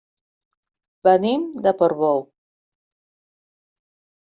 Venim de Portbou.